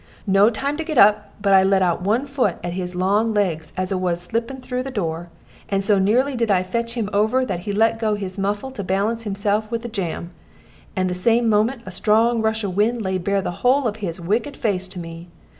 No time to get up, but I let out one foot at his long legs as a' was slipping through the door, and so nearly did I fetch him over that he let go his muffle to balance himself with the jamb, and same moment a strong rush of wind laid bare the whole of his wicked face to me.